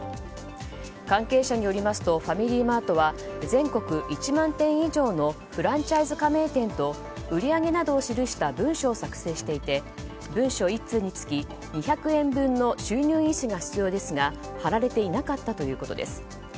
関係者によりますとファミリーマートは全国１万店以上のフランチャイズ加盟店と売り上げなどを記した文書を作成していて文書１通につき２００円分の収入印紙が必要ですが貼られていなかったということです。